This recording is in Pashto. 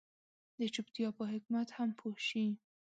د چوپتيا په حکمت هم پوه شي.